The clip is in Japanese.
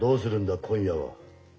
今夜は。